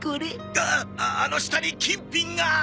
あっあの下に金品が！？